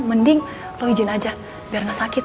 mending lo izin aja biar gak sakit